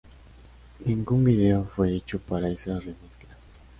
Ningún vídeo fue hecho para esas remezclas.